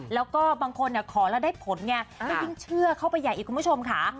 แล้วก็บางคนขอแล้วได้ผลไงก็ยิ่งเชื่อเข้าไปใหญ่อีกคุณผู้ชมค่ะ